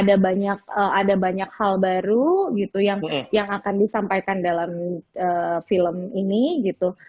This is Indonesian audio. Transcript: ada banyak hal baru gitu yang akan disampaikan dalam film ini gitu